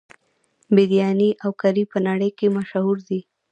بریاني او کري په نړۍ کې مشهور دي.